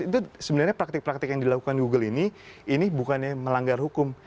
itu sebenarnya praktik praktik yang dilakukan google ini ini bukannya melanggar hukum